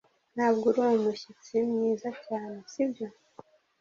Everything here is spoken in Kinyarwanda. Ntabwo uri umushyitsi mwiza cyane, nibyo?